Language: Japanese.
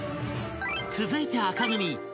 ［続いて紅組］